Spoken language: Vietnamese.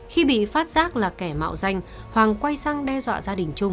khi bị phát giác là kẻ mạo danh hoàng quay sang đe dọa gia đình trung